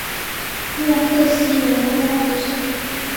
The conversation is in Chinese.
默克西人口变化图示